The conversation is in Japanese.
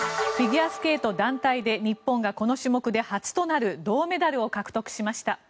フィギュアスケート団体で日本がこの種目で初となる銅メダルを獲得しました。